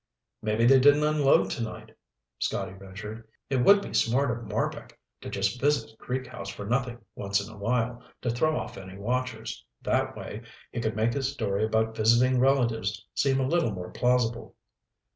"Maybe they didn't unload tonight," Scotty ventured. "It would be smart of Marbek to just visit Creek House for nothing once in a while, to throw off any watchers. That way, he could make his story about visiting his relatives seem a little more plausible."